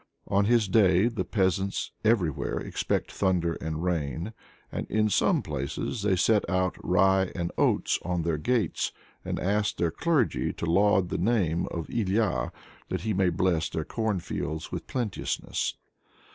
On his day the peasants everywhere expect thunder and rain, and in some places they set out rye and oats on their gates, and ask their clergy to laud the name of Ilya, that he may bless their cornfields with plenteousness.